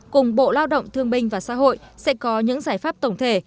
cùng bộ lao động thương binh và xã hội sẽ có những giải pháp tổng thể